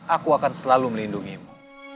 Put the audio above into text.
aku akan selalu melindungimu